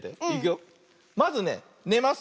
まずねねます。